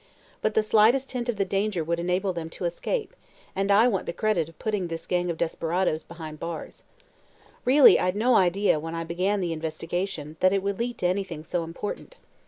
But the slightest hint of danger would enable them to escape and I want the credit of putting this gang of desperadoes behind the bars. Really, I'd no idea, when I began the investigation, that it would lead to anything so important.